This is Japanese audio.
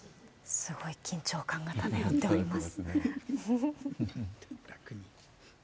すごい緊張感が漂っております。